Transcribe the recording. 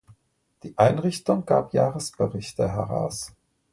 Die Einrichtung gab Jahresberichte heraus.